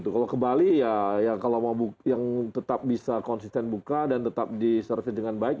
kalau ke bali ya yang tetap bisa konsisten buka dan tetap diservis dengan baik